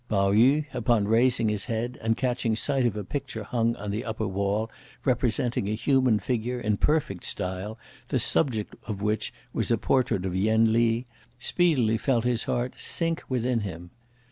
Pao yü, upon raising his head, and catching sight of a picture hung on the upper wall, representing a human figure, in perfect style, the subject of which was a portrait of Yen Li, speedily felt his heart sink within him.